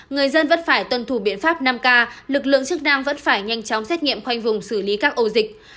người dân vẫn phải tuân thủ biện pháp năm k lực lượng chức năng vẫn phải nhanh chóng xét nghiệm khoanh vùng xử lý các ổ dịch